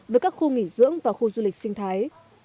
với các khu nghỉ dưỡng và khu du lịch sinh thái